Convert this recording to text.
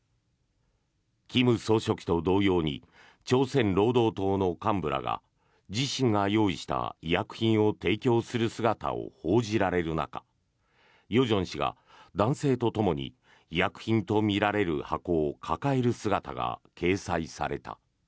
金総書記と同様に朝鮮労働党の幹部らが自身が用意した医薬品を提供する姿を報じられる中与正氏が男性とともに医薬品とみられる箱を抱える姿が掲載された。